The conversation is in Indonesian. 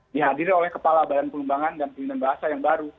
dihadiri oleh kepala badan pengembangan dan pembinaan bahasa yang baru